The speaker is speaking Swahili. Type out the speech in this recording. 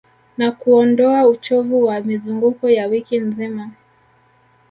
Na kuondoa uchovu wa mizunguko ya wiki nzima